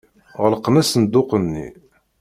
Ɣelqen asenduq-nni.